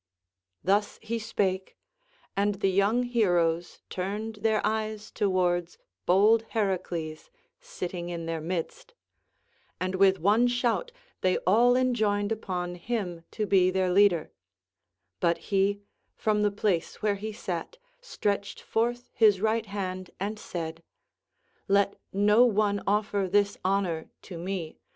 Thus he spake; and the young heroes turned their eyes towards bold Heracles sitting in their midst, and with one shout they all enjoined upon him to be their leader; but he, from the place where he sat, stretched forth his right hand and said: "Let no one offer this honour to me.